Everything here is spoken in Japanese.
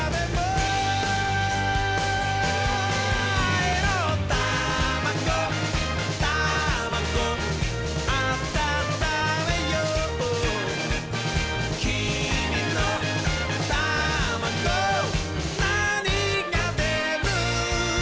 「あいのタマゴタマゴ」「あたためよう」「きみのタマゴなにがでる？」